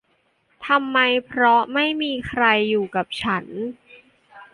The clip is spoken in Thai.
ทำไมเพราะไม่มีใครอยู่กับฉัน !